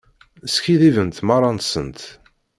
Skiddibent merra-nsent.